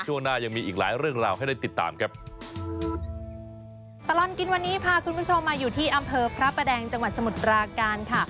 ช่วงหน้ายังมีอีกหลายเรื่องราวให้ได้ติดตามครับ